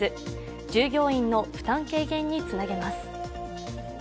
従業員の負担軽減につなげます。